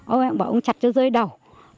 ông bảo ông chặt cho rơi đầu